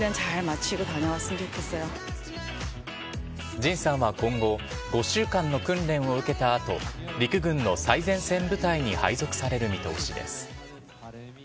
ＪＩＮさんは今後、５週間の訓練を受けたあと、陸軍の最前線部隊に配属される見通しです。